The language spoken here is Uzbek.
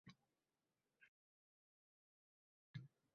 Poytaxtga yana nimalardir yetishmayotgandek...